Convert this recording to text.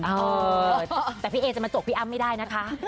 เออแต่พี่เอจะมาจบพี่อ้ำไม่ได้นะคะ